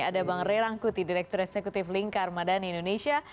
ada bang rerang kuti direktur eksekutif lingkar madani indonesia